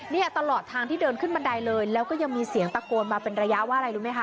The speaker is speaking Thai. เนี่ยตลอดทางที่เดินขึ้นบันไดเลยแล้วก็ยังมีเสียงตะโกนมาเป็นระยะว่าอะไรรู้ไหมคะ